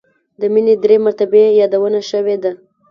د مینې درې مرتبې یادونه شوې ده.